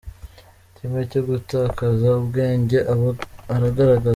kimwe cyo gutakaza ubwenge aba aragaragaza.